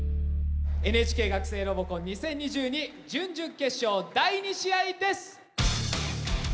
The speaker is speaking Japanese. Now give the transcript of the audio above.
「ＮＨＫ学生ロボコン２０２２」準々決勝第２試合です！